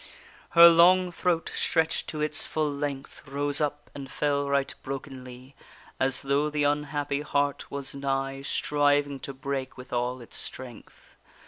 Her long throat, stretched to its full length, Rose up and fell right brokenly; As though the unhappy heart was nigh Striving to break with all its strength.